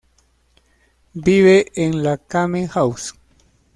Vive en la Kame House.